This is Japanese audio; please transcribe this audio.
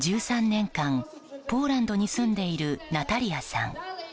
１３年間、ポーランドに住んでいるナタリアさん。